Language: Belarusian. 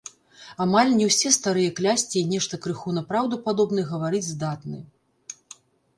Амаль не ўсе старыя клясці і нешта крыху на праўду падобнае гаварыць здатны.